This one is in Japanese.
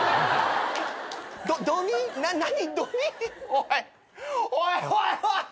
おいおいおいおい！